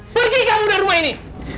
pergi kamu dari rumah ini